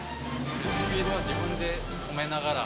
スピードは自分で止めながら。